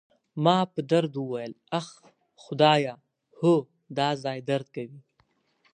ما په درد وویل: اخ، خدایه، هو، دا ځای درد کوي.